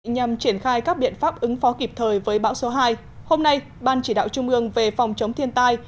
nhằm triển khai các biện pháp ứng phó kịp thời với bão số hai hôm nay ban chỉ đạo trung ương về phòng chống thiên tai